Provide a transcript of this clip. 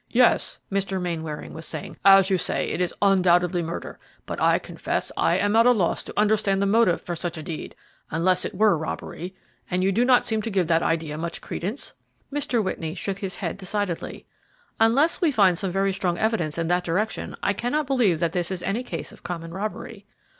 "Yes," Mr. Mainwaring was saying, "as you say, it is undoubtedly murder; but I confess I am at a loss to understand the motive for such a deed, unless it were robbery; and you do not seem to give that idea much credence?" Mr. Whitney shook his head decidedly. "Unless we find very strong evidence in that direction, I cannot believe that this is any case of common robbery."